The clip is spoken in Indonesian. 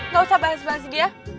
gak usah bahas bahas dia